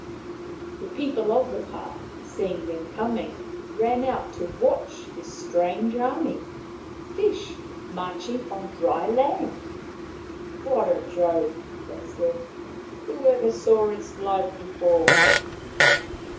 The people of the pah, seeing them coming, ran out to watch this strange army — fish march ing on dry land. " What a joke," they said. " Whoever saw its like before